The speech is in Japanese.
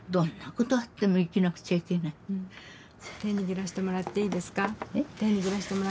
手握らせてもらっていいですか？